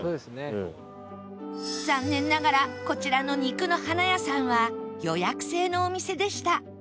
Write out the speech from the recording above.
残念ながらこちらの肉の花屋さんは予約制のお店でした